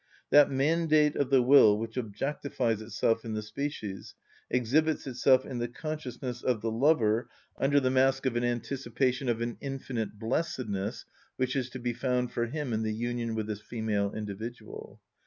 That mandate of the will which objectifies itself in the species exhibits itself in the consciousness of the lover under the mask of the anticipation of an infinite blessedness which is to be found for him in the union with this female individual.